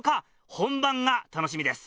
本番が楽しみです。